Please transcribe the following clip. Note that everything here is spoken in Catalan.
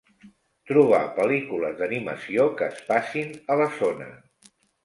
Trobar pel·lícules d'animació que es passin a la zona.